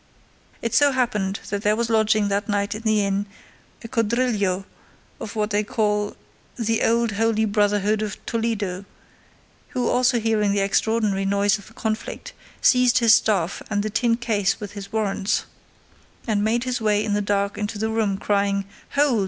It so happened that there was lodging that night in the inn a caudrillero of what they call the Old Holy Brotherhood of Toledo, who, also hearing the extraordinary noise of the conflict, seized his staff and the tin case with his warrants, and made his way in the dark into the room crying: "Hold!